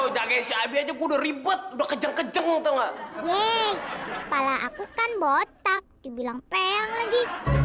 jagain si abi aja kudu ribet udah kejeng kejeng atau enggak yeay kepala aku kan botak dibilang peang lagi